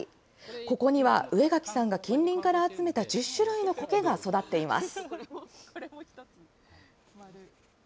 ここには上垣さんが近隣から集めた１０種類のコケが育っています。